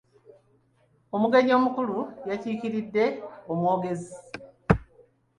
Omugenyi omukulu yakiikiridddwa omwogezi.